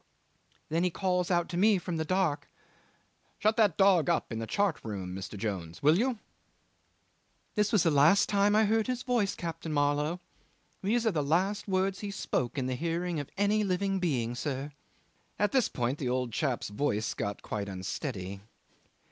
Then he calls out to me from the dark, 'Shut that dog up in the chart room, Mr. Jones will you?' '"This was the last time I heard his voice, Captain Marlow. These are the last words he spoke in the hearing of any living human being, sir." At this point the old chap's voice got quite unsteady.